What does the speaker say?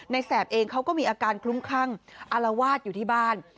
แสบเองเขาก็มีอาการคลุ้มคลั่งอารวาสอยู่ที่บ้าน